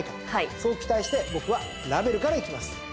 そう期待して僕はラヴェルからいきます。